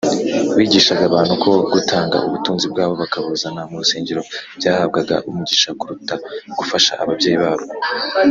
bigishaga abantu ko gutanga ubutunzi bwabo bakabuzana mu rusengero byahabwaga umugisha kuruta gufasha ababyeyi babo;